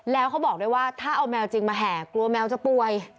แล้วเขาบอกด้วยว่าถ้าเอาแมวจริงมาแห่กลัวแมวจะป่วย